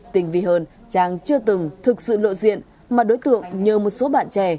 tình vị hơn trang chưa từng thực sự lộ diện mà đối tượng nhờ một số bạn trẻ